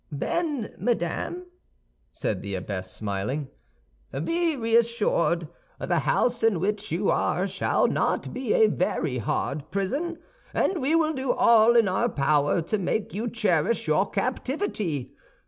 "Then, madame," said the abbess, smiling, "be reassured; the house in which you are shall not be a very hard prison, and we will do all in our power to make you cherish your captivity.